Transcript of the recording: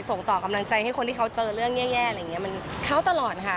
ส่งต่อกำลังใจให้คนที่เขาเจอเรื่องแย่อะไรอย่างเงี้มันเข้าตลอดค่ะ